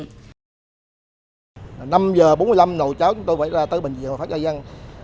năm giờ bốn mươi năm nồi cháu chúng tôi phải ra tới bệnh viện pháp gia dân